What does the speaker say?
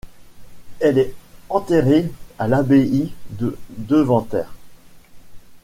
Elle est enterrée à l'abbaye de Deventer.